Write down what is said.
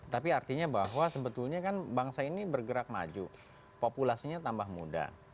tapi artinya bahwa sebetulnya kan bangsa ini bergerak maju populasinya tambah muda